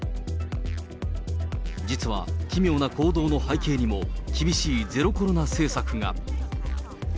実は奇妙な行動の背景にも、厳しいゼロコロナ政策が。